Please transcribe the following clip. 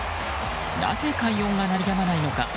なぜ快音が鳴りやまないのか。